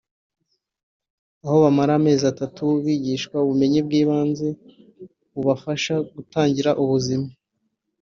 aho bamara amezi atatu bigishwa ubumenyi bw’ibanze bubafasha gutangira ubuzima